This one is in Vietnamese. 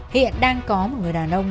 hiện đang có một người đàn ông